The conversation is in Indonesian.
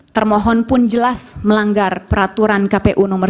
termohon pun jelas melanggar peraturan kpu nomor tiga